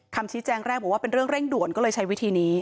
คำชี้แจงแรกบอกว่าเป็นเรื่องเร่งด่วนก็เลยใช้วิธีนี้